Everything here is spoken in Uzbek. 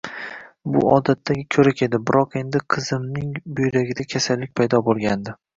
Bu odatdagi ko`rik edi, biroq endi qizimning buyragida kasallik paydo bo`lgandi